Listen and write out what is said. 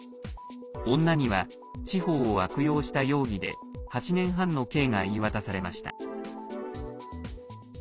女には、司法を悪用した容疑で８年半の刑が言い渡されました。